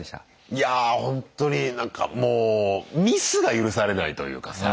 いやほんとになんかもうミスが許されないというかさ。